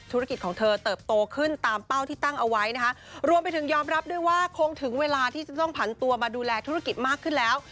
ธุรกิจของเธอเติบโตขึ้นตามเป้าที่ตั้งเอาไว้นะคะรวมไปถึงยอมรับด้วยว่าคงถึงเวลาที่จะต้องผันตัวมาดูแลธุรกิจมากขึ้นแล้ว